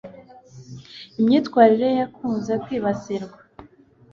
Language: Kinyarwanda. Imyitwarire ye yakunze kwibasirwa.